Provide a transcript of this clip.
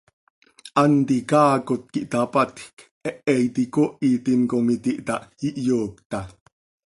Hant icaaacot quih itapatjc, hehe iti icoohitim com iti itáh, iyoocta.